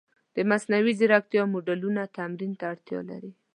د مصنوعي ځیرکتیا موډلونه تمرین ته اړتیا لري.